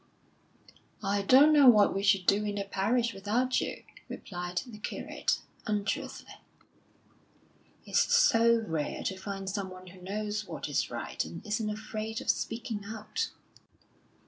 "I don't know what we should do in the parish without you," replied the curate, unctuously. "It's so rare to find someone who knows what is right, and isn't afraid of speaking out."